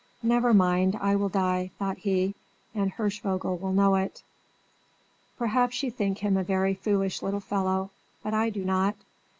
"Never mind; I will die," thought he; "and Hirschvogel will know it." Perhaps you think him a very foolish little fellow; but I do not.